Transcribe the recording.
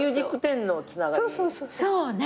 そうね。